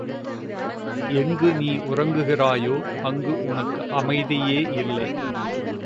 எங்கு நீ உறங்குகிறாயோ அங்கு உனக்கு அமைதியே இல்லை.